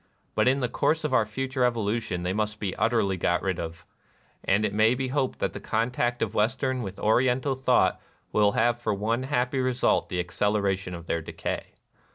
But in the course of our future evolution they must be utterly got rid of ; and it may be hoped that the contact of Western with Oriental thought will have for one happy result the acceleration of their decay.